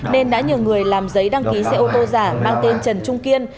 nên đã nhờ người làm giấy đăng ký xe ô tô giả mang tên trần trung kiên